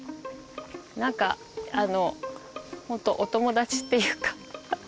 なんか本当お友達っていうか。